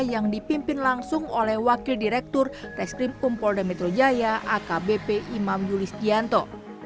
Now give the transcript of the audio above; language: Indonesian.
yang dipimpin langsung oleh wakil direktur treskrim kumpolda metro jaya akbp imam yulis dianto